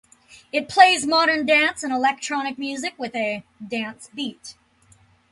It plays modern dance and electronic music with a "dance beat".